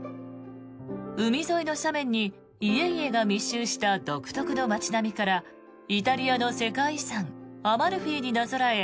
海沿いの斜面に家々が密集した独特の街並みからイタリアの世界遺産アマルフィになぞらえ